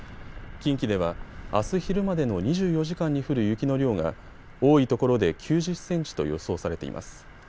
近畿ではあす昼までの２４時間に降る雪の量が多いところで９０センチと予想されています。